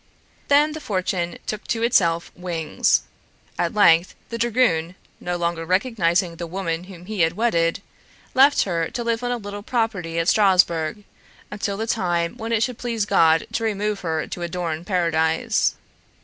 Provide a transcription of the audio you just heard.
Then the fortune took to itself wings. At length the dragoon, no longer recognizing the woman whom he had wedded, left her to live on a little property at Strasbourg, until the time when it should please God to remove her to adorn Paradise.